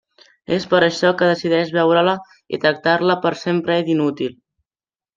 És per això que decideix veure-la i tractar-la per sempre d'inútil.